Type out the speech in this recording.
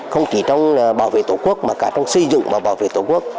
không chỉ trong bảo vệ tổ quốc mà cả trong xây dựng và bảo vệ tổ quốc